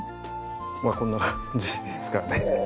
まあこんな感じですかね。